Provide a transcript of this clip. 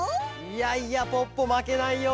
いやいやポッポまけないよ！